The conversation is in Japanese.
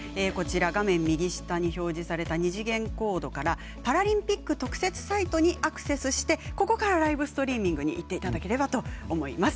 画面右下に表示された二次元コードからパラリンピック特設サイトにアクセスしてここからライブストリーミングにいっていただければと思います。